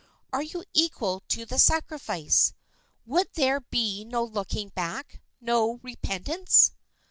Are you equal to the sacrifice? Would there be no looking back, no repentance?"